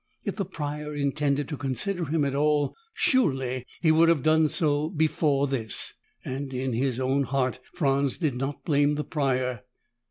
If the Prior intended to consider him at all, surely he'd have done so before this and in his own heart Franz did not blame the Prior.